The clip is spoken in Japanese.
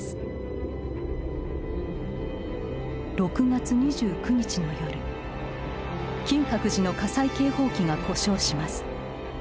６月２９日の夜金閣寺の火災警報器が故障します